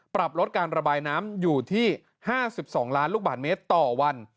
ปรับลดการระบายน้ำอยู่ที่๕๒ล้านลูกบาทเมตรต่อวัน